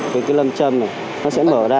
cái lâm chân này nó sẽ mở ra